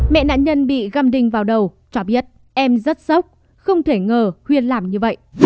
mẹ nạn nhân bị găm đinh vào đầu cho biết em rất sốc không thể ngờ khuyên làm như vậy